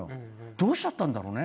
どうしちゃったんだろうね。